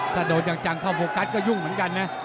ถ้าโดนจังเข้าโฟกัสก็ยุ่งเหมือนกันนะ